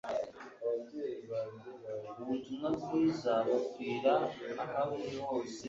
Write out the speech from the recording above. ababyeyi banjye baje ku kibuga cy'indege kundeba